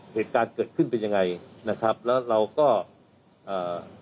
เหตุการณ์เกิดขึ้นเป็นยังไงนะครับแล้วเราก็อ่า